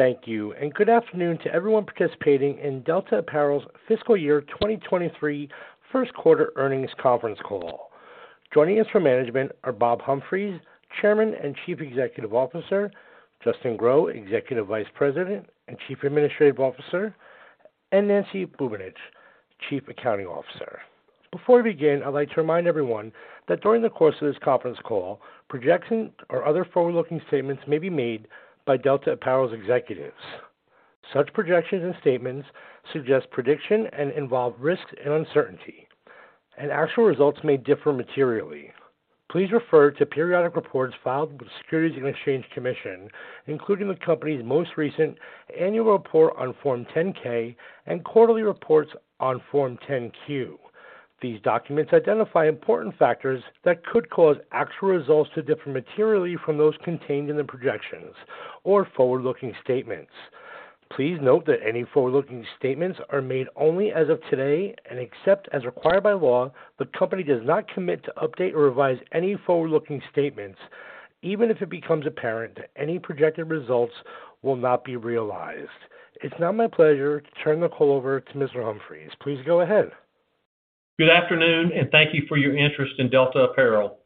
Thank you, and good afternoon to everyone participating in Delta Apparel's Fiscal Year 2023 First Quarter Earnings Conference Call. Joining us from management are Bob Humphreys, Chairman and Chief Executive Officer, Justin Grow, Executive Vice President and Chief Administrative Officer, and Nancy Bubanich, Chief Accounting Officer. Before we begin, I'd like to remind everyone that during the course of this conference call, projections or other forward-looking statements may be made by Delta Apparel's executives. Such projections and statements suggest prediction and involve risk and uncertainty, and actual results may differ materially. Please refer to periodic reports filed with the Securities and Exchange Commission, including the company's most recent annual report on Form 10-K and quarterly reports on Form 10-Q. These documents identify important factors that could cause actual results to differ materially from those contained in the projections or forward-looking statements. Please note that any forward-looking statements are made only as of today, and except as required by law, the company does not commit to update or revise any forward-looking statements, even if it becomes apparent that any projected results will not be realized. It's now my pleasure to turn the call over to Mr. Humphreys. Please go ahead. Good afternoon, and thank you for your interest in Delta Apparel.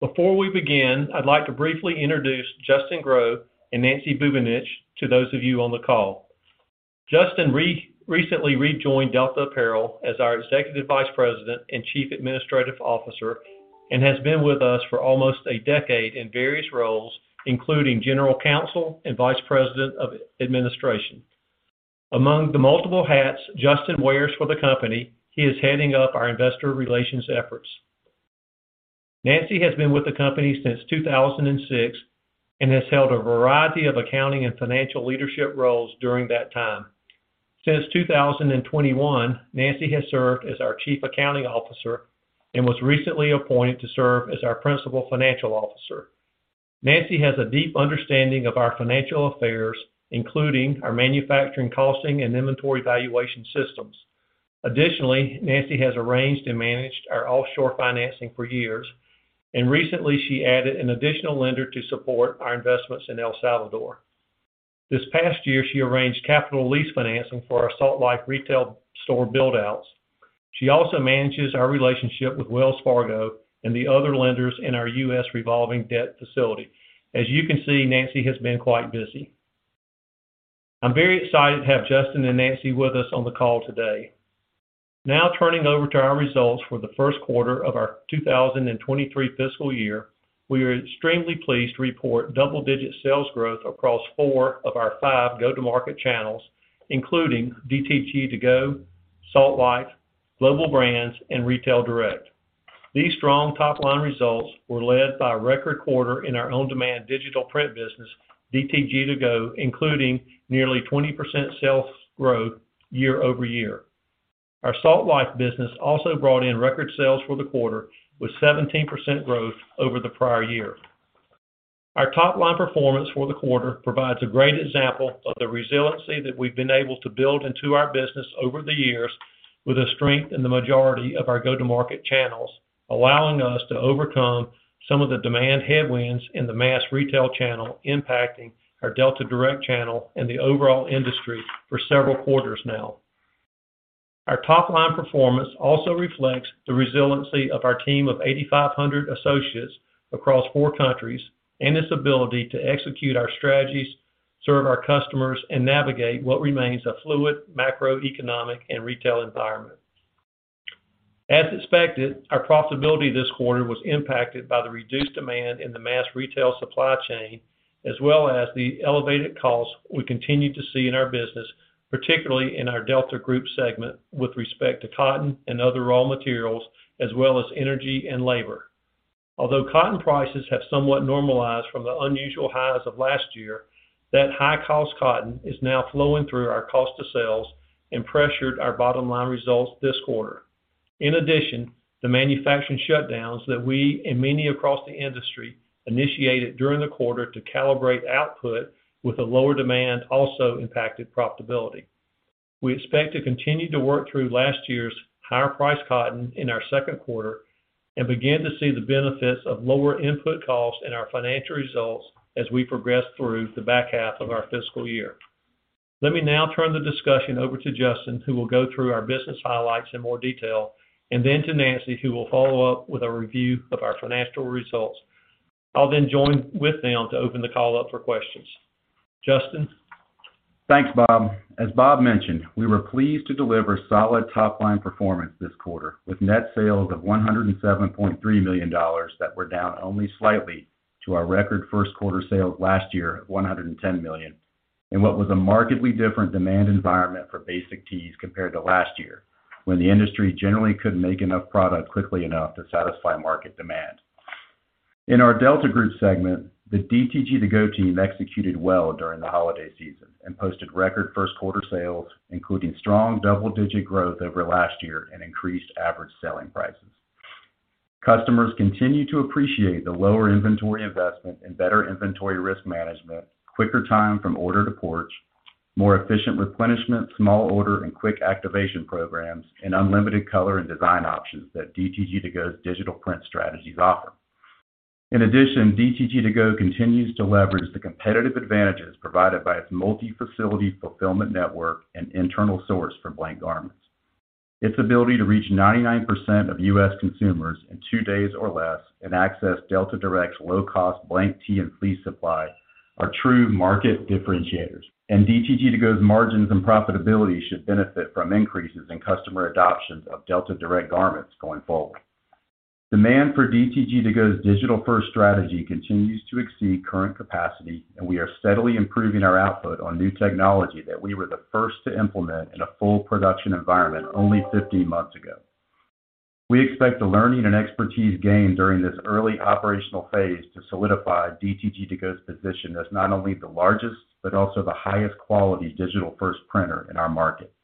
Before we begin, I'd like to briefly introduce Justin Grow and Nancy Bubanich to those of you on the call. Justin recently rejoined Delta Apparel as our Executive Vice President and Chief Administrative Officer, and has been with us for almost a decade in various roles, including General Counsel and Vice President of Administration. Among the multiple hats Justin wears for the company, he is heading up our investor relations efforts. Nancy has been with the company since 2006 and has held a variety of accounting and financial leadership roles during that time. Since 2021, Nancy has served as our Chief Accounting Officer and was recently appointed to serve as our Principal Financial Officer. Nancy has a deep understanding of our financial affairs, including our manufacturing costing and inventory valuation systems. Additionally, Nancy has arranged and managed our offshore financing for years, and recently, she added an additional lender to support our investments in El Salvador. This past year, she arranged capital lease financing for our Salt Life retail store build-outs. She also manages our relationship with Wells Fargo and the other lenders in our U.S. revolving debt facility. As you can see, Nancy has been quite busy. I'm very excited to have Justin and Nancy with us on the call today. Now turning over to our results for the first quarter of our 2023 fiscal year, we are extremely pleased to report double-digit sales growth across four of our five go-to-market channels, including DTG2Go, Salt Life, Global Brands, and Retail Direct. These strong top-line results were led by a record quarter in our own demand digital print business, DTG2Go, including nearly 20% sales growth year-over-year. Our Salt Life business also brought in record sales for the quarter with 17% growth over the prior year. Our top-line performance for the quarter provides a great example of the resiliency that we've been able to build into our business over the years with a strength in the majority of our go-to-market channels, allowing us to overcome some of the demand headwinds in the mass retail channel impacting our Delta Direct channel and the overall industry for several quarters now. Our top-line performance also reflects the resiliency of our team of 8,500 associates across four countries and its ability to execute our strategies, serve our customers, and navigate what remains a fluid macroeconomic and retail environment. As expected, our profitability this quarter was impacted by the reduced demand in the mass retail supply chain, as well as the elevated costs we continue to see in our business, particularly in our Delta Group segment with respect to cotton and other raw materials, as well as energy and labor. Although cotton prices have somewhat normalized from the unusual highs of last year, that high-cost cotton is now flowing through our cost of sales and pressured our bottom-line results this quarter. In addition, the manufacturing shutdowns that we and many across the industry initiated during the quarter to calibrate output with a lower demand also impacted profitability. We expect to continue to work through last year's higher priced cotton in our second quarter and begin to see the benefits of lower input costs in our financial results as we progress through the back half of our fiscal year. Let me now turn the discussion over to Justin, who will go through our business highlights in more detail, and then to Nancy, who will follow up with a review of our financial results. I'll then join with them to open the call up for questions. Justin. Thanks, Bob. As Bob mentioned, we were pleased to deliver solid top-line performance this quarter with net sales of $107.3 million that were down only slightly to our record first quarter sales last year of $110 million in what was a markedly different demand environment for basic tees compared to last year when the industry generally couldn't make enough product quickly enough to satisfy market demand. In our Delta Group segment, the DTG2Go team executed well during the holiday season and posted record first quarter sales, including strong double-digit growth over last year and increased average selling prices. Customers continue to appreciate the lower inventory investment and better inventory risk management, quicker time from order to porch, more efficient replenishment, small order, and quick activation programs, and unlimited color and design options that DTG2Go's digital print strategies offer.In addition, DTG2Go continues to leverage the competitive advantages provided by its multi-facility fulfillment network and internal source for blank garments. Its ability to reach 99% of U.S. consumers in two days or less and access Delta Direct's low-cost blank tee and fleece supply are true market differentiators. DTG2Go's margins and profitability should benefit from increases in customer adoptions of Delta Direct garments going forward. Demand for DTG2Go's Digital First strategy continues to exceed current capacity, and we are steadily improving our output on new technology that we were the first to implement in a full production environment only 15 months ago. We expect the learning and expertise gained during this early operational phase to solidify DTG2Go's position as not only the largest, but also the highest quality Digital First printer in our market.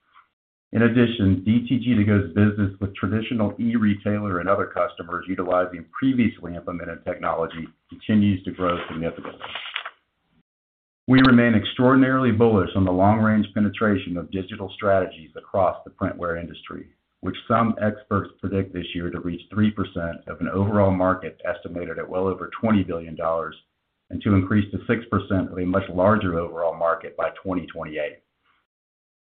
In addition, DTG2Go's business with traditional e-retailer and other customers utilizing previously implemented technology continues to grow significantly. We remain extraordinarily bullish on the long-range penetration of digital strategies across the printwear industry, which some experts predict this year to reach 3% of an overall market estimated at well over $20 billion and to increase to 6% of a much larger overall market by 2028.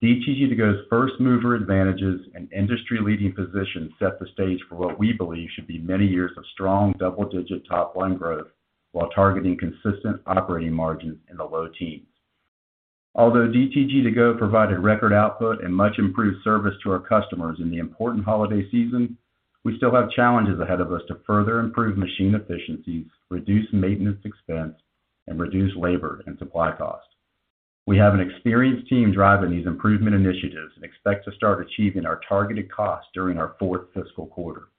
DTG2Go's first-mover advantages and industry-leading position set the stage for what we believe should be many years of strong double-digit top line growth while targeting consistent operating margins in the low teens. Although DTG2Go provided record output and much improved service to our customers in the important holiday season, we still have challenges ahead of us to further improve machine efficiencies, reduce maintenance expense, and reduce labor and supply costs. We have an experienced team driving these improvement initiatives and expect to start achieving our targeted costs during our fourth fiscal quarter.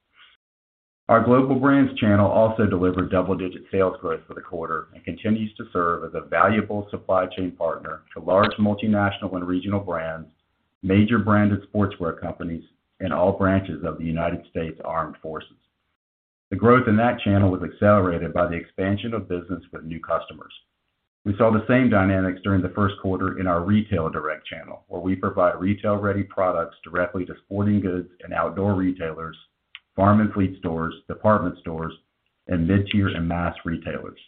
Our Global Brands channel also delivered double-digit sales growth for the quarter and continues to serve as a valuable supply chain partner to large multinational and regional brands, major branded sportswear companies, and all branches of the United States Armed Forces. The growth in that channel was accelerated by the expansion of business with new customers. We saw the same dynamics during the first quarter in our Retail Direct channel, where we provide retail-ready products directly to sporting goods and outdoor retailers, farm and fleet stores, department stores, and mid-tier and mass retailers.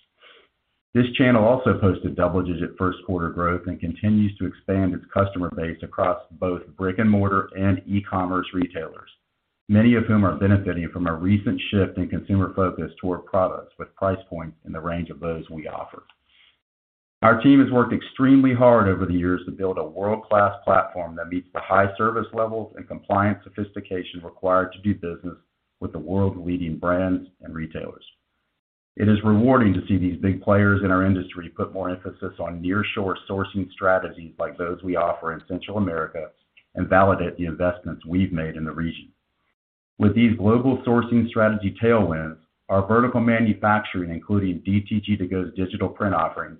This channel also posted double-digit first quarter growth and continues to expand its customer base across both brick-and-mortar and e-commerce retailers, many of whom are benefiting from a recent shift in consumer focus toward products with price points in the range of those we offer. Our team has worked extremely hard over the years to build a world-class platform that meets the high service levels and compliance sophistication required to do business with the world's leading brands and retailers. It is rewarding to see these big players in our industry put more emphasis on nearshore sourcing strategies like those we offer in Central America and validate the investments we've made in the region. With these global sourcing strategy tailwinds, our vertical manufacturing, including DTG2Go's digital print offerings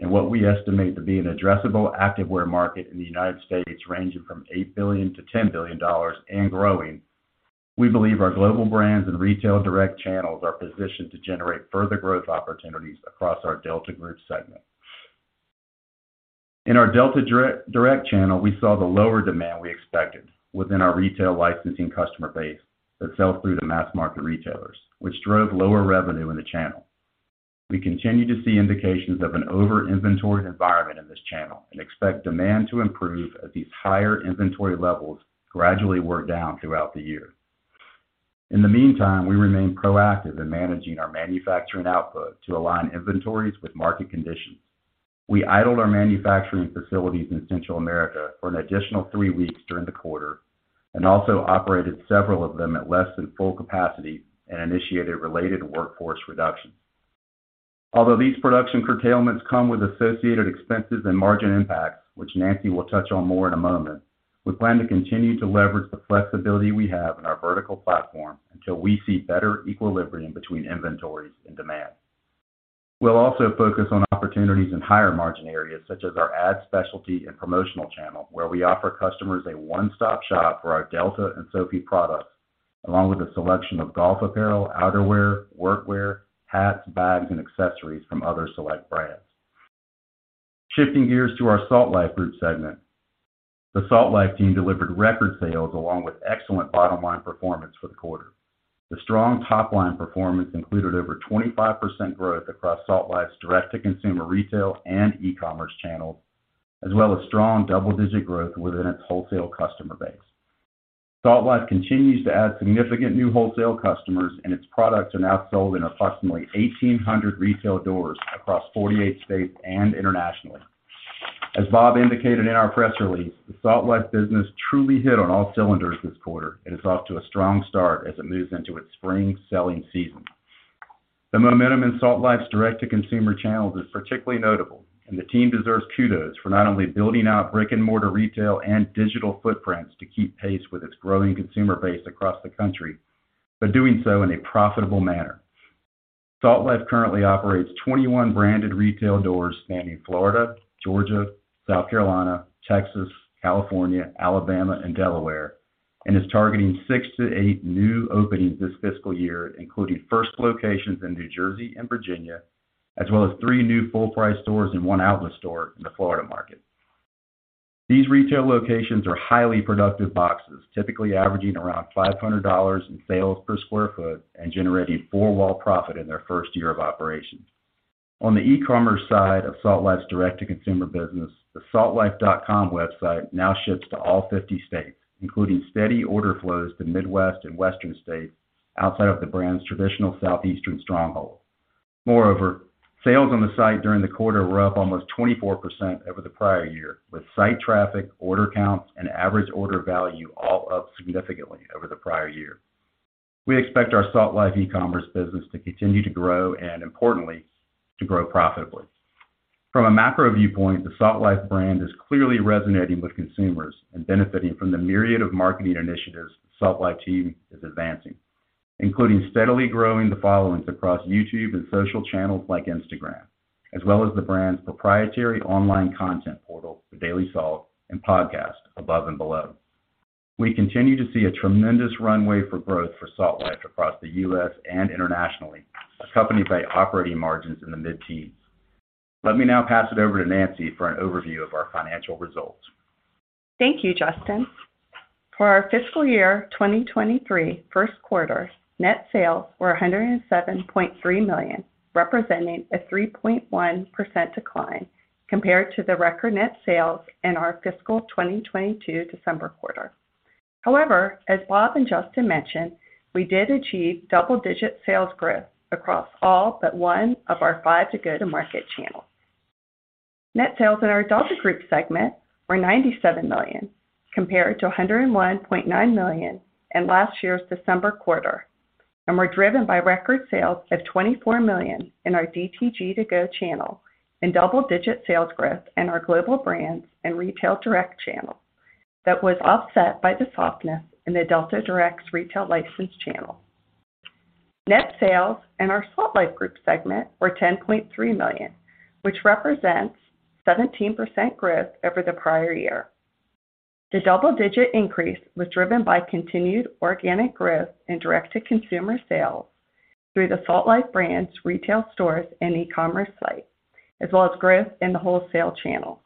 and what we estimate to be an addressable activewear market in the United States ranging from $8 billion-$10 billion and growing, we believe our Global Brands and Retail Direct channels are positioned to generate further growth opportunities across our Delta Group segment. In our Delta Direct channel, we saw the lower demand we expected within our retail licensing customer base that sell through to mass market retailers, which drove lower revenue in the channel. We continue to see indications of an over-inventoried environment in this channel and expect demand to improve as these higher inventory levels gradually work down throughout the year. In the meantime, we remain proactive in managing our manufacturing output to align inventories with market conditions. We idled our manufacturing facilities in Central America for an additional three weeks during the quarter and also operated several of them at less than full capacity and initiated related workforce reductions. Although these production curtailments come with associated expenses and margin impacts, which Nancy will touch on more in a moment, we plan to continue to leverage the flexibility we have in our vertical platform until we see better equilibrium between inventories and demand. We'll also focus on opportunities in higher margin areas such as our ad specialty and promotional channel, where we offer customers a one-stop shop for our Delta and Soffe products, along with a selection of golf apparel, outerwear, workwear, hats, bags, and accessories from other select brands. Shifting gears to our Salt Life Group segment. The Salt Life team delivered record sales along with excellent bottom line performance for the quarter. The strong top-line performance included over 25% growth across Salt Life's direct-to-consumer retail and e-commerce channels, as well as strong double-digit growth within its wholesale customer base. Salt Life continues to add significant new wholesale customers, and its products are now sold in approximately 1,800 retail doors across 48 states and internationally. As Bob indicated in our press release, the Salt Life business truly hit on all cylinders this quarter and is off to a strong start as it moves into its spring selling season. The momentum in Salt Life's direct-to-consumer channels is particularly notable, and the team deserves kudos for not only building out brick-and-mortar retail and digital footprints to keep pace with its growing consumer base across the country, but doing so in a profitable manner. Salt Life currently operates 21 branded retail doors spanning Florida, Georgia, South Carolina, Texas, California, Alabama, and Delaware, and is targeting six-eight new openings this fiscal year, including first locations in New Jersey and Virginia, as well as three new full price stores and 1 outlet store in the Florida market. These retail locations are highly productive boxes, typically averaging around $500 in sales per square foot and generating four-wall profit in their first year of operations. On the e-commerce side of Salt Life's direct-to-consumer business, the saltlife.com website now ships to all 50 states, including steady order flows to Midwest and Western states outside of the brand's traditional Southeastern stronghold. Sales on the site during the quarter were up almost 24% over the prior year, with site traffic, order counts, and average order value all up significantly over the prior year. We expect our Salt Life e-commerce business to continue to grow and, importantly, to grow profitably. From a macro viewpoint, the Salt Life brand is clearly resonating with consumers and benefiting from the myriad of marketing initiatives Salt Life team is advancing, including steadily growing the followings across YouTube and social channels like Instagram, as well as the brand's proprietary online content portal, The Daily Salt, and podcast, Above and Below. We continue to see a tremendous runway for growth for Salt Life across the U.S. and internationally, accompanied by operating margins in the mid-teens. Let me now pass it over to Nancy for an overview of our financial results. Thank you, Justin. For our fiscal year 2023 first quarter, net sales were $107.3 million, representing a 3.1% decline compared to the record net sales in our fiscal 2022 December quarter. As Bob and Justin mentioned, we did achieve double-digit sales growth across all but one of our five to-go-to-market channels. Net sales in our Delta Group segment were $97 million compared to $101.9 million in last year's December quarter, and were driven by record sales of $24 million in our DTG2Go channel and double-digit sales growth in our Global Brands and Retail Direct channel that was offset by the softness in the Delta Direct retail license channel. Net sales in our Salt Life Group segment were $10.3 million, which represents 17% growth over the prior year. The double-digit increase was driven by continued organic growth in direct-to-consumer sales through the Salt Life brands, retail stores, and e-commerce site, as well as growth in the wholesale channel.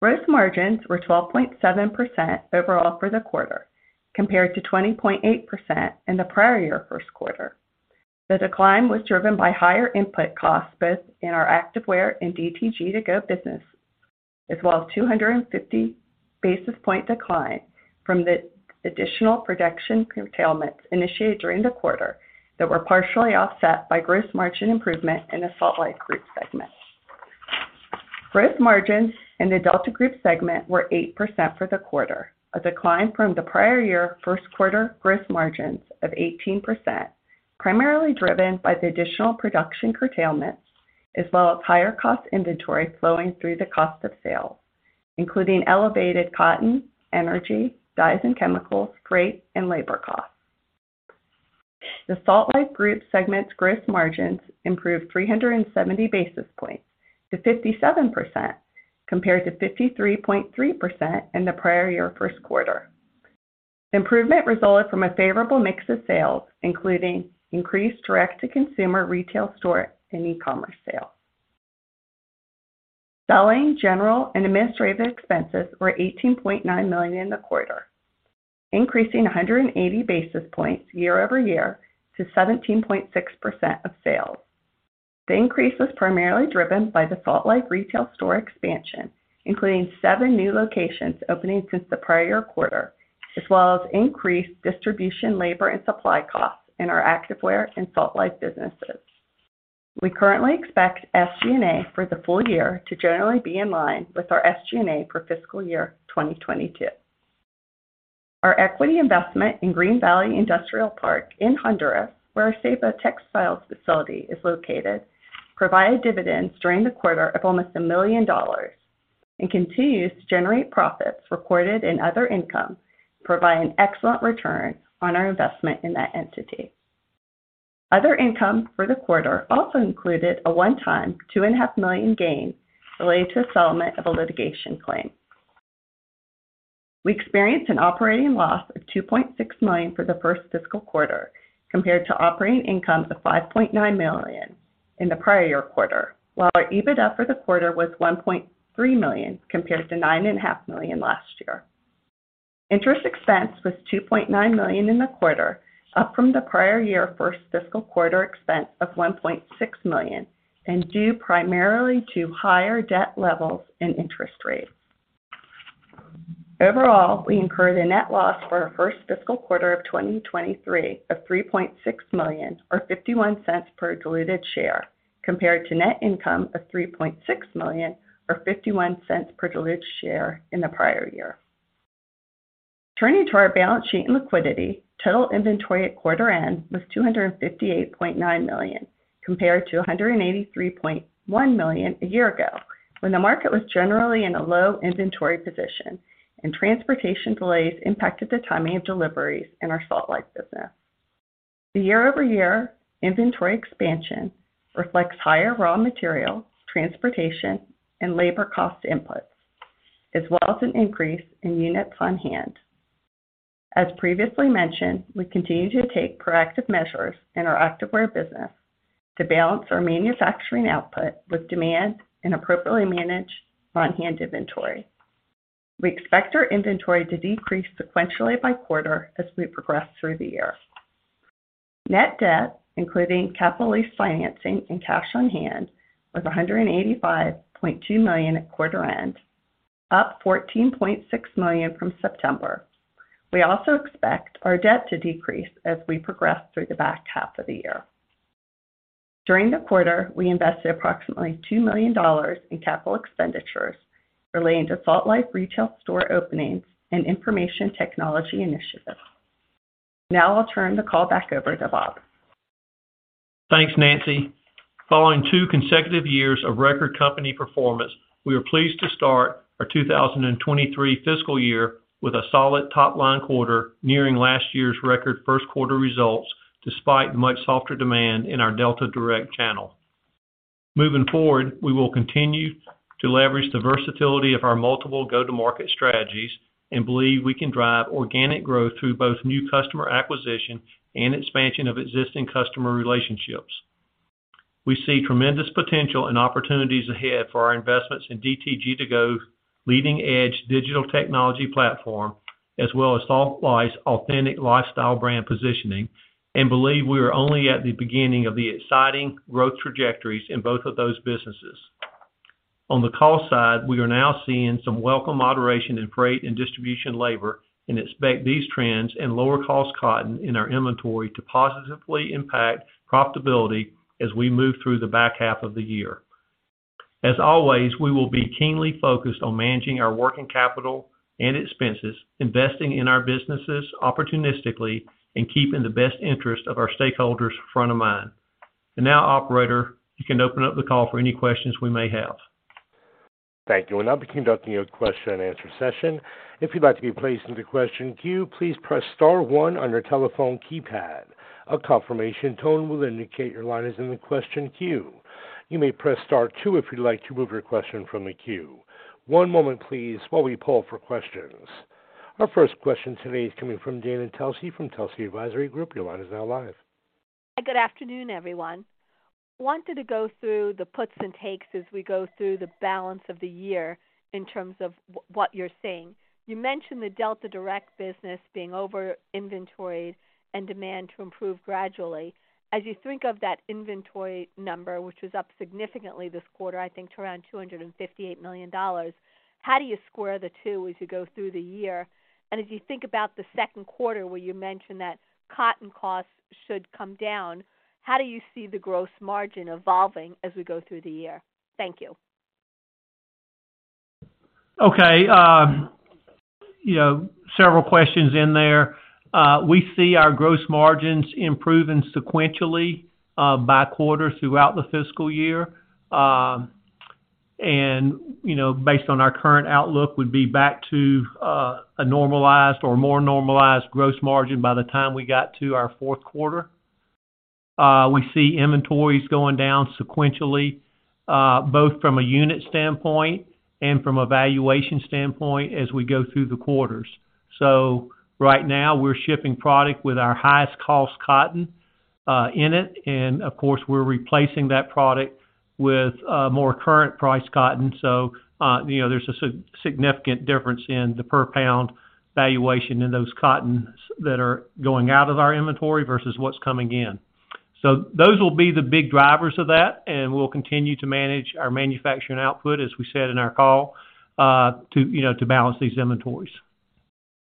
Gross margins were 12.7% overall for the quarter, compared to 20.8% in the prior year first quarter. The decline was driven by higher input costs, both in our activewear and DTG2Go business, as well as 250 basis point decline from the additional production curtailments initiated during the quarter that were partially offset by gross margin improvement in the Salt Life Group segment. Gross margins in the Delta Group segment were 8% for the quarter, a decline from the prior year first quarter gross margins of 18%, primarily driven by the additional production curtailment, as well as higher cost inventory flowing through the cost of sales, including elevated cotton, energy, dyes and chemicals, freight, and labor costs. The Salt Life Group segment's gross margins improved 370 basis points to 57% compared to 53.3% in the prior year first quarter. Improvement resulted from a favorable mix of sales, including increased direct-to-consumer retail store and e-commerce sales. Selling, general, and administrative expenses were $18.9 million in the quarter, increasing 180 basis points year-over-year to 17.6% of sales. The increase was primarily driven by the Salt Life retail store expansion, including seven new locations opening since the prior quarter, as well as increased distribution, labor, and supply costs in our activewear and Salt Life businesses. We currently expect SG&A for the full year to generally be in line with our SG&A for fiscal year 2022. Our equity investment in Green Valley Industrial Park in Honduras, where our Ceiba Textiles facility is located, provided dividends during the quarter of almost $1 million and continues to generate profits recorded in other income, providing excellent return on our investment in that entity. Other income for the quarter also included a one-time $2.5 million gain related to a settlement of a litigation claim. We experienced an operating loss of $2.6 million for the first fiscal quarter compared to operating income of $5.9 million in the prior year quarter, while our EBITDA for the quarter was $1.3 million compared to $9.5 million last year. Interest expense was $2.9 million in the quarter, up from the prior year first fiscal quarter expense of $1.6 million and due primarily to higher debt levels and interest rates. Overall, we incurred a net loss for our first fiscal quarter of 2023 of $3.6 million or $0.51 per diluted share compared to net income of $3.6 million or $0.51 per diluted share in the prior year. Turning to our balance sheet and liquidity, total inventory at quarter end was $258.9 million, compared to $183.1 million a year ago, when the market was generally in a low inventory position and transportation delays impacted the timing of deliveries in our Salt Life business. The year-over-year inventory expansion reflects higher raw material, transportation, and labor cost inputs, as well as an increase in units on hand. As previously mentioned, we continue to take proactive measures in our activewear business to balance our manufacturing output with demand and appropriately manage on-hand inventory. We expect our inventory to decrease sequentially by quarter as we progress through the year. Net debt, including capital lease financing and cash on hand, was $185.2 million at quarter end, up $14.6 million from September. We also expect our debt to decrease as we progress through the back half of the year. During the quarter, we invested approximately $2 million in capital expenditures relating to Salt Life retail store openings and information technology initiatives. I'll turn the call back over to Bob. Thanks, Nancy. Following two consecutive years of record company performance, we are pleased to start our 2023 fiscal year with a solid top-line quarter nearing last year's record first quarter results, despite much softer demand in our Delta Direct channel. Moving forward, we will continue to leverage the versatility of our multiple go-to-market strategies and believe we can drive organic growth through both new customer acquisition and expansion of existing customer relationships. We see tremendous potential and opportunities ahead for our investments in DTG2Go leading-edge digital technology platform, as well as Salt Life's authentic lifestyle brand positioning, and believe we are only at the beginning of the exciting growth trajectories in both of those businesses. On the cost side, we are now seeing some welcome moderation in freight and distribution labor and expect these trends and lower cost cotton in our inventory to positively impact profitability as we move through the back half of the year. As always, we will be keenly focused on managing our working capital and expenses, investing in our businesses opportunistically and keeping the best interest of our stakeholders front of mind. Now, operator, you can open up the call for any questions we may have. Thank you. We'll now be conducting a question and answer session. If you'd like to be placed into question queue, please press star one on your telephone keypad. A confirmation tone will indicate your line is in the question queue. You may press star two if you'd like to remove your question from the queue. One moment please while we poll for questions. Our first question today is coming from Dana Telsey from Telsey Advisory Group. Your line is now live. Good afternoon, everyone. Wanted to go through the puts and takes as we go through the balance of the year in terms of what you're seeing. You mentioned the Delta Direct business being over inventoried and demand to improve gradually. As you think of that inventory number, which was up significantly this quarter, I think to around $258 million, how do you square the two as you go through the year? As you think about the second quarter, where you mentioned that cotton costs should come down, how do you see the gross margin evolving as we go through the year? Thank you. You know, several questions in there. We see our gross margins improving sequentially by quarter throughout the fiscal year. And, you know, based on our current outlook, would be back to a normalized or more normalized gross margin by the time we got to our fourth quarter. We see inventories going down sequentially both from a unit standpoint and from a valuation standpoint as we go through the quarters. Right now, we're shipping product with our highest cost cotton in it, and of course, we're replacing that product with more current price cotton. You know, there's a significant difference in the per pound valuation in those cottons that are going out of our inventory versus what's coming in. Those will be the big drivers of that, and we'll continue to manage our manufacturing output, as we said in our call, to, you know, to balance these inventories.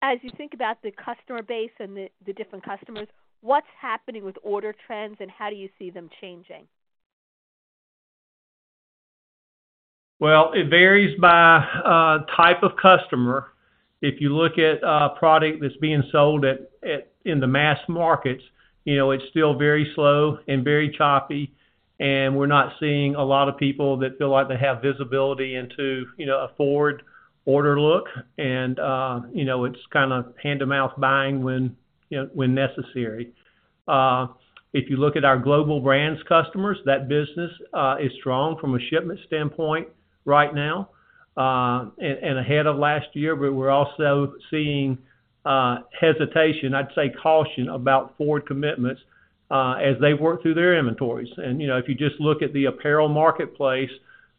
As you think about the customer base and the different customers, what's happening with order trends and how do you see them changing? Well, it varies by type of customer. If you look at product that's being sold in the mass markets, you know, it's still very slow and very choppy, and we're not seeing a lot of people that feel like they have visibility into, you know, a forward order look. You know, it's kinda hand-to-mouth buying when, you know, when necessary. If you look at our Global Brands customers, that business is strong from a shipment standpoint right now, and ahead of last year. We're also seeing hesitation, I'd say caution about forward commitments, as they work through their inventories. You know, if you just look at the apparel marketplace,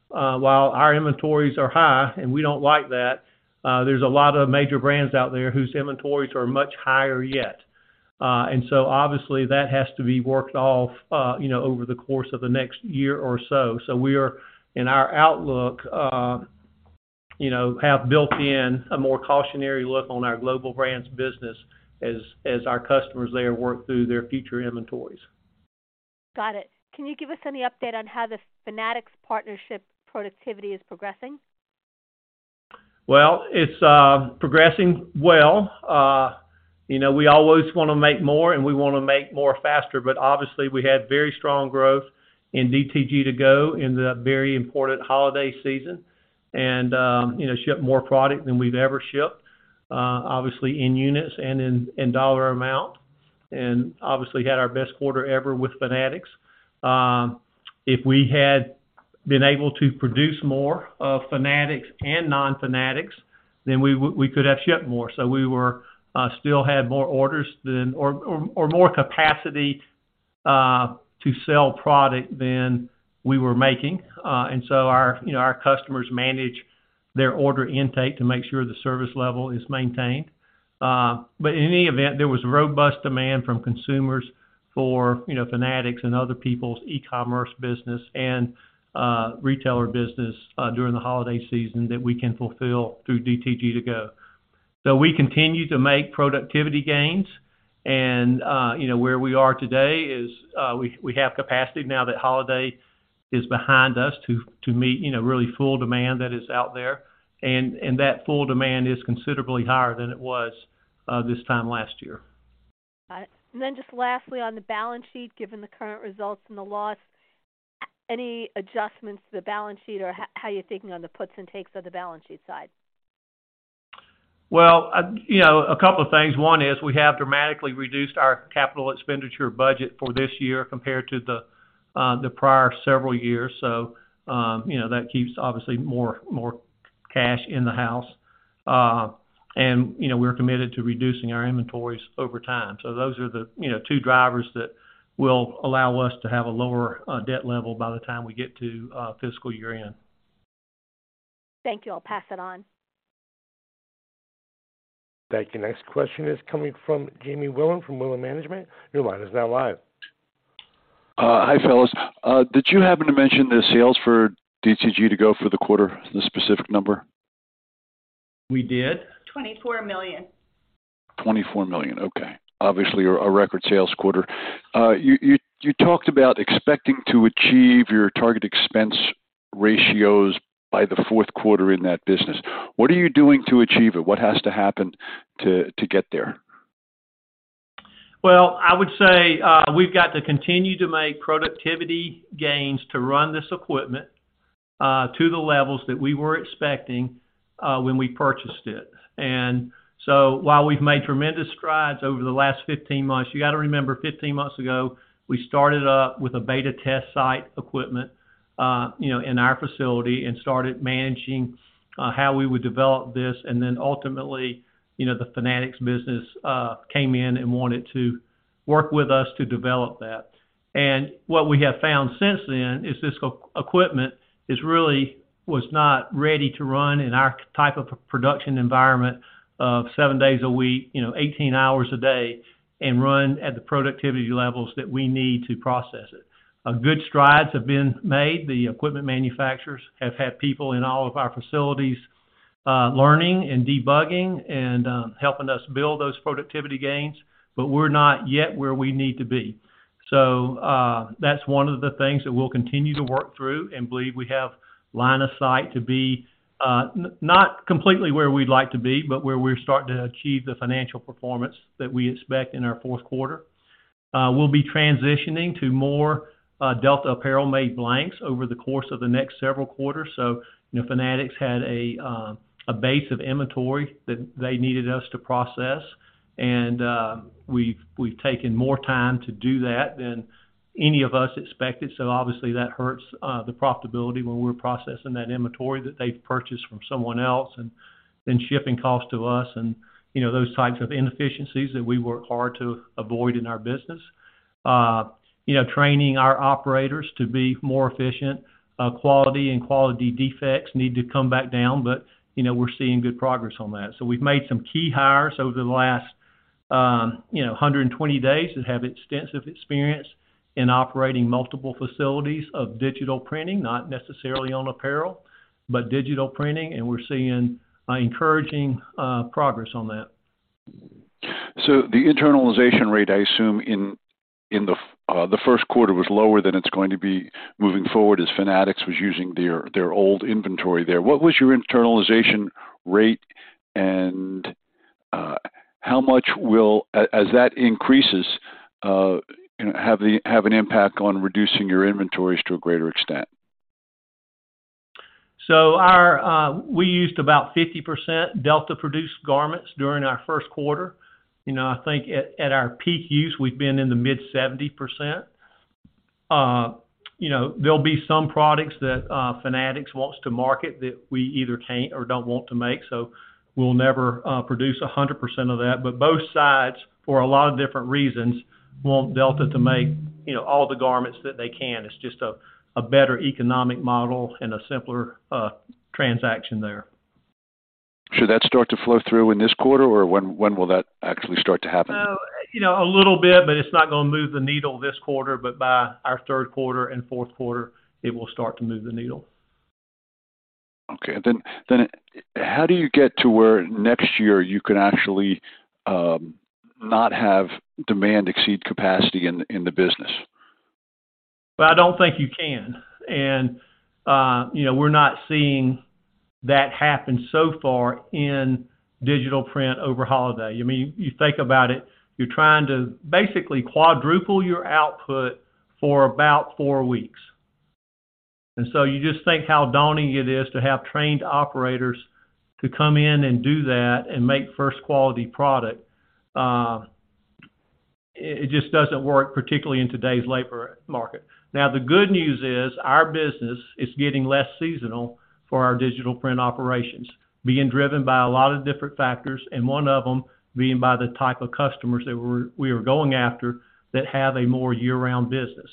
while our inventories are high, and we don't like that, there's a lot of major brands out there whose inventories are much higher yet. Obviously, that has to be worked off, you know, over the course of the next year or so. We are in our outlook, you know, have built in a more cautionary look on our Global Brands business as our customers there work through their future inventories. Got it. Can you give us any update on how the Fanatics partnership productivity is progressing? Well, it's progressing well. You know, we always wanna make more, we wanna make more faster. Obviously we had very strong growth in DTG2Go in the very important holiday season, you know, shipped more product than we've ever shipped, obviously in units and dollar amount. Obviously had our best quarter ever with Fanatics. If we had been able to produce more of Fanatics and non-Fanatics, then we could have shipped more. We were still had more orders than or more capacity to sell product than we were making. Our, you know, our customers manage their order intake to make sure the service level is maintained. In any event, there was robust demand from consumers for, you know, Fanatics and other people's e-commerce business and retailer business during the holiday season that we can fulfill through DTG2Go. We continue to make productivity gains and, you know, where we are today is, we have capacity now that holiday is behind us to meet, you know, really full demand that is out there. That full demand is considerably higher than it was this time last year. Got it. Then just lastly, on the balance sheet, given the current results and the loss, any adjustments to the balance sheet or how you're thinking on the puts and takes of the balance sheet side? You know, a couple of things. One is we have dramatically reduced our CapEx budget for this year compared to the prior several years. You know, that keeps obviously more cash in the house. You know, we're committed to reducing our inventories over time. Those are the, you know, two drivers that will allow us to have a lower debt level by the time we get to fiscal year-end. Thank you. I'll pass it on. Thank you. Next question is coming from Jamie Wilen from Wilen Management. Your line is now live. Hi, fellas. Did you happen to mention the sales for DTG2Go for the quarter, the specific number? We did. $24 million. $24 million. Okay. Obviously a record sales quarter. You talked about expecting to achieve your target expense ratios by the fourth quarter in that business. What are you doing to achieve it? What has to happen to get there? Well, I would say, we've got to continue to make productivity gains to run this equipment, to the levels that we were expecting, when we purchased it. While we've made tremendous strides over the last 15 months, you gotta remember 15 months ago, we started up with a beta test site equipment, you know, in our facility and started managing, how we would develop this. Ultimately, you know, the Fanatics came in and wanted to work with us to develop that. What we have found since then is this equipment is really was not ready to run in our type of production environment of seven days a week, you know, 18 hours a day, and run at the productivity levels that we need to process it. A good strides have been made. The equipment manufacturers have had people in all of our facilities, learning and debugging and helping us build those productivity gains, but we're not yet where we need to be. That's one of the things that we'll continue to work through and believe we have line of sight to be not completely where we'd like to be, but where we're starting to achieve the financial performance that we expect in our fourth quarter. We'll be transitioning to more Delta Apparel made blanks over the course of the next several quarters. You know, Fanatics had a base of inventory that they needed us to process. We've taken more time to do that than any of us expected. Obviously that hurts the profitability when we're processing that inventory that they've purchased from someone else and then shipping cost to us and, you know, those types of inefficiencies that we work hard to avoid in our business. You know, training our operators to be more efficient, quality and quality defects need to come back down, you know, we're seeing good progress on that. We've made some key hires over the last, you know, 120 days that have extensive experience in operating multiple facilities of digital printing, not necessarily on apparel, but digital printing, and we're seeing encouraging progress on that. The internalization rate, I assume in the first quarter was lower than it's going to be moving forward as Fanatics was using their old inventory there. What was your internalization rate and how much as that increases, have an impact on reducing your inventories to a greater extent? Our, we used about 50% Delta produced garments during our first quarter. You know, I think at our peak use, we've been in the mid-70%. You know, there'll be some products that Fanatics wants to market that we either can't or don't want to make, so we'll never produce 100% of that. Both sides, for a lot of different reasons, want Delta to make, you know, all the garments that they can. It's just a better economic model and a simpler transaction there. Should that start to flow through in this quarter, or when will that actually start to happen? You know, a little bit, but it's not gonna move the needle this quarter, but by our third quarter and fourth quarter, it will start to move the needle. Okay. How do you get to where next year you can actually, not have demand exceed capacity in the business? Well, I don't think you can. You know, we're not seeing that happen so far in digital print over holiday. I mean, you think about it, you're trying to basically quadruple your output for about four weeks. You just think how daunting it is to have trained operators to come in and do that and make first-quality product. It just doesn't work, particularly in today's labor market. Now, the good news is our business is getting less seasonal for our digital print operations, being driven by a lot of different factors, and one of them being by the type of customers that we are going after that have a more year-round business.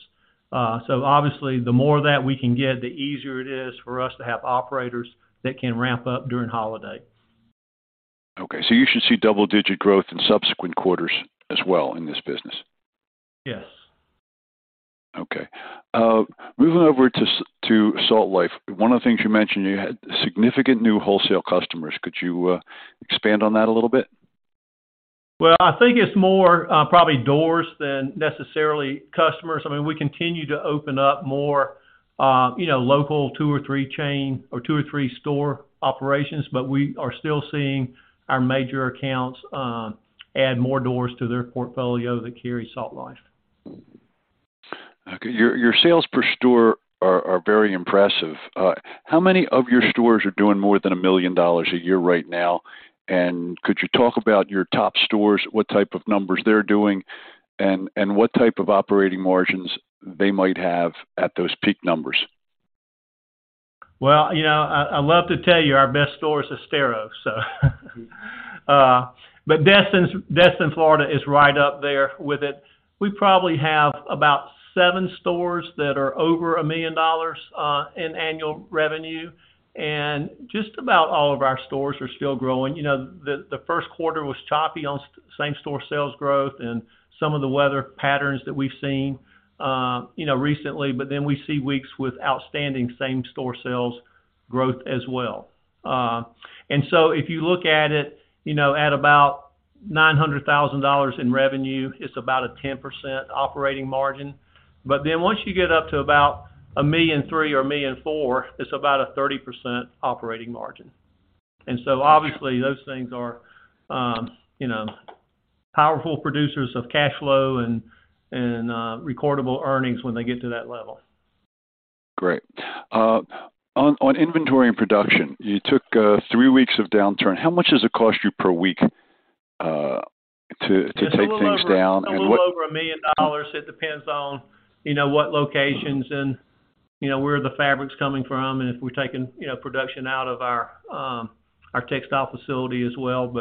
Obviously the more that we can get, the easier it is for us to have operators that can ramp up during holiday. Okay, you should see double-digit growth in subsequent quarters as well in this business. Yes. Okay. moving over to Salt Life. One of the things you mentioned, you had significant new wholesale customers. Could you expand on that a little bit? Well, I think it's more probably doors than necessarily customers. I mean, we continue to open up more, you know, local two or three chain or two or three store operations, but we are still seeing our major accounts add more doors to their portfolio that carry Salt Life. Okay. Your sales per store are very impressive. How many of your stores are doing more than $1 million a year right now? Could you talk about your top stores, what type of numbers they're doing, and what type of operating margins they might have at those peak numbers? You know, I'd love to tell you our best store is Estero. Destin, Florida, is right up there with it. We probably have about seven stores that are over $1 million in annual revenue. Just about all of our stores are still growing. You know, the first quarter was choppy on same-store sales growth and some of the weather patterns that we've seen, you know, recently. We see weeks with outstanding same-store sales growth as well. If you look at it, you know, at about $900,000 in revenue, it's about a 10% operating margin. Once you get up to about $1.3 million or $1.4 million, it's about a 30% operating margin. Obviously those things are, you know, powerful producers of cash flow and recordable earnings when they get to that level. Great. On inventory and production, you took three weeks of downturn. How much does it cost you per week to take things down and what. It's a little over $1 million. It depends on, you know, what locations and, you know, where the fabric's coming from and if we're taking, you know, production out of our textile facility as well.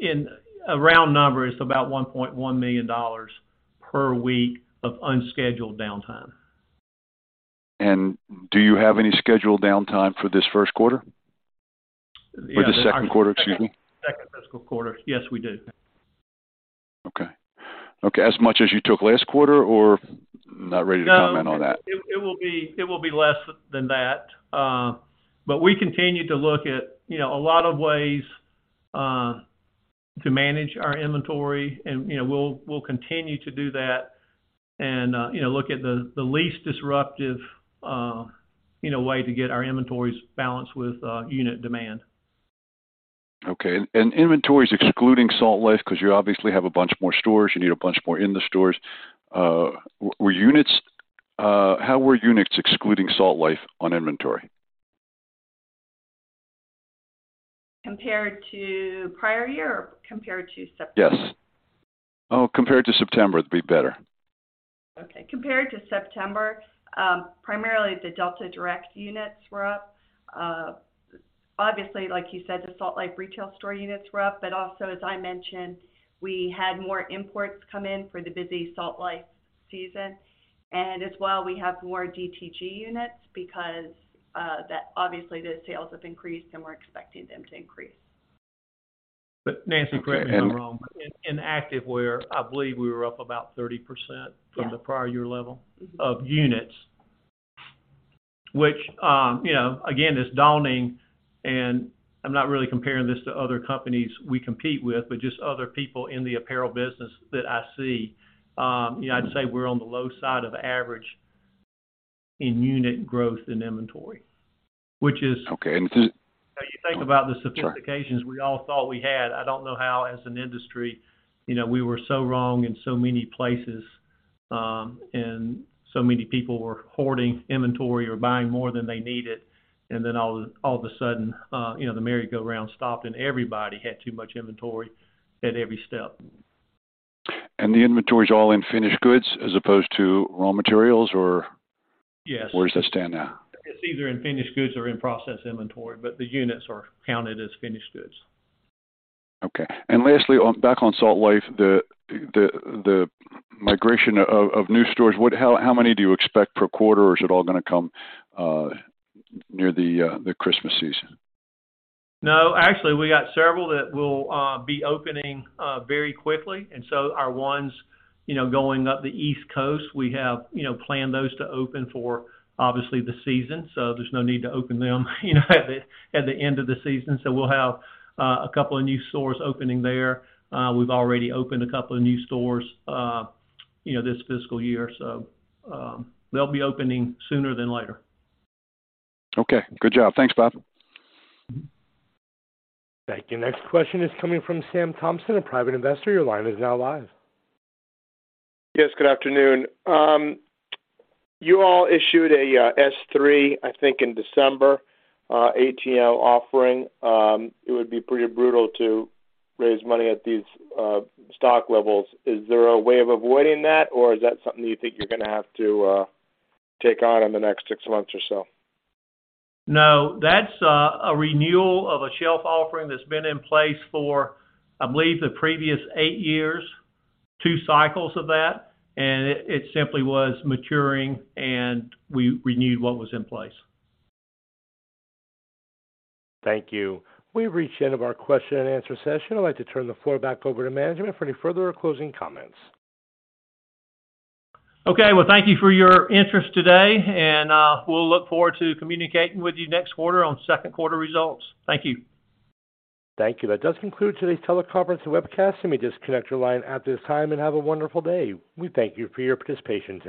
In a round number, it's about $1.1 million per week of unscheduled downtime. Do you have any scheduled downtime for this first quarter? Yeah. The second quarter, excuse me. Second fiscal quarter, yes, we do. Okay, as much as you took last quarter or not ready to comment on that? No, it will be less than that. We continue to look at, you know, a lot of ways to manage our inventory and, you know, we'll continue to do that and, you know, look at the least disruptive, you know, way to get our inventories balanced with unit demand. Okay. Inventory is excluding Salt Life because you obviously have a bunch more stores. You need a bunch more in the stores. How were units excluding Salt Life on inventory? Compared to prior year or compared to September? Yes. Oh, compared to September, it'd be better. Okay. Compared to September, primarily the Delta Direct units were up. Obviously, like you said, the Salt Life retail store units were up, but also as I mentioned, we had more imports come in for the busy Salt Life season. As well, we have more DTG units because that obviously those sales have increased, and we're expecting them to increase. Nancy, correct me if I'm wrong, in activewear, I believe we were up about 30%. Yes. -from the prior year level of units. Which, you know, again, is daunting and I'm not really comparing this to other companies we compete with, but just other people in the apparel business that I see. You know, I'd say we're on the low side of average in unit growth in inventory, which is- Okay. You think about the sophistications we all thought we had. I don't know how as an industry, you know, we were so wrong in so many places, and so many people were hoarding inventory or buying more than they needed, and then all of a sudden, you know, the merry-go-round stopped, and everybody had too much inventory at every step. The inventory is all in finished goods as opposed to raw materials. Yes. Where does that stand now? It's either in finished goods or in-process inventory, but the units are counted as finished goods. Okay. Lastly, back on Salt Life, the migration of new stores. How many do you expect per quarter, or is it all gonna come near the Christmas season? No, actually we got several that will be opening very quickly. Our ones, you know, going up the East Coast, we have, you know, planned those to open for obviously the season, so there's no need to open them, you know, at the end of the season. We'll have a couple of new stores opening there. We've already opened a couple of new stores, you know, this fiscal year. They'll be opening sooner than later. Okay. Good job. Thanks, Bob. Thank you. Next question is coming from Sam Thompson, a private investor. Your line is now live. Yes, good afternoon. You all issued a S3, I think, in December, ATM offering. It would be pretty brutal to raise money at these stock levels. Is there a way of avoiding that, or is that something you think you're gonna have to take on in the next six months or so? No, that's a renewal of a shelf offering that's been in place for, I believe, the previous eight years, two cycles of that, and it simply was maturing, and we renewed what was in place. Thank you. We've reached the end of our question and answer session. I'd like to turn the floor back over to management for any further closing comments. Okay. Well, thank you for your interest today. We'll look forward to communicating with you next quarter on second quarter results. Thank you. Thank you. That does conclude today's teleconference and webcast. Let me disconnect your line at this time, and have a wonderful day. We thank you for your participation.